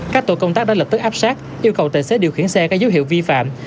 các tổ công tác đã lập tức áp sát yêu cầu tài xế điều khiển xe có dấu hiệu vi phạm